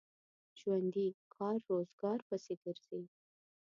ژوندي کار روزګار پسې ګرځي